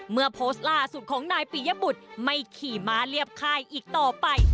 โพสต์ล่าสุดของนายปียบุตรไม่ขี่ม้าเรียบค่ายอีกต่อไป